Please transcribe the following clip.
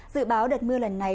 dự báo đợt mưa lần này